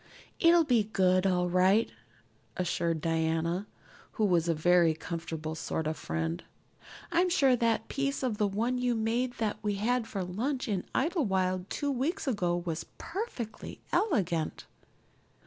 "It'll be good, all right," assured Diana, who was a very comfortable sort of friend. "I'm sure that piece of the one you made that we had for lunch in Idlewild two weeks ago was perfectly elegant."